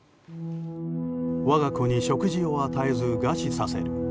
我が子に食事を与えず餓死させる。